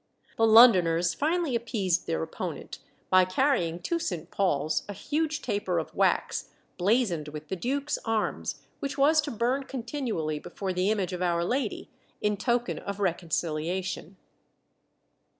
The Londoners finally appeased their opponent by carrying to St. Paul's a huge taper of wax, blazoned with the duke's arms, which was to burn continually before the image of Our Lady in token of reconciliation.